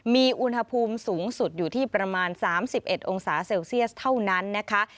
มีอุณหภูมิสูงสุดอยู่ที่ประมาณ๓๑องศาเซลเซียสเท่านั้นนะคะ